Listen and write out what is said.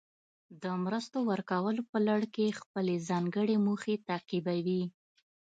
د مرستو ورکولو په لړ کې خپلې ځانګړې موخې تعقیبوي.